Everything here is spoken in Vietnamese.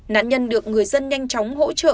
nạn nhân được người dân nhanh chóng hỗ trợ